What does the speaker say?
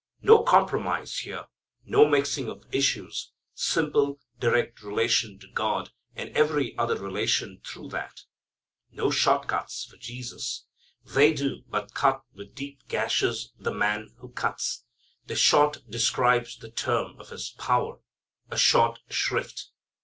No compromise here. No mixing of issues. Simple, direct relation to God, and every other relation through that. No short cuts for Jesus. They do but cut with deep gashes the man who cuts. The "short" describes the term of his power, a short shrift.